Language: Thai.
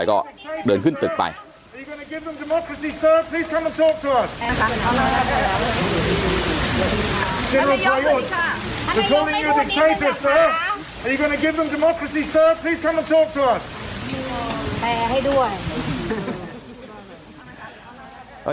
แปลให้ด้วย